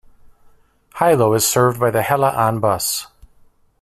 Hilo is served by the Hele-On Bus.